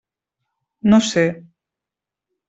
No sé.